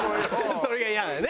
それがイヤだよね。